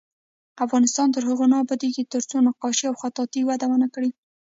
افغانستان تر هغو نه ابادیږي، ترڅو نقاشي او خطاطي وده ونه کړي.